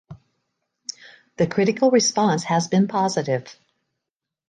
The critical response has been positive.